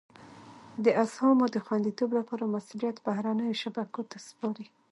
د اسهامو د خوندیتوب لپاره مسولیت بهرنیو شبکو ته سپاري.